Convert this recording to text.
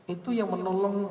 itu yang menolong